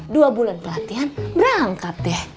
dua bulan pelatihan berangkat deh